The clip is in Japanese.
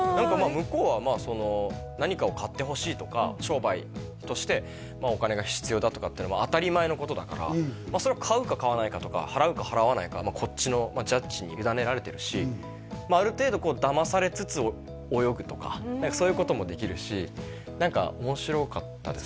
向こうは何かを買ってほしいとか商売としてお金が必要だとか当たり前のことだからそれを買うか買わないかとか払うか払わないかはこっちのジャッジに委ねられてるしある程度だまされつつ泳ぐとかそういうこともできるし何か面白かったです